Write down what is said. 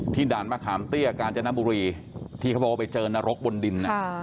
ด่านมะขามเตี้ยกาญจนบุรีที่เขาบอกว่าไปเจอนรกบนดิน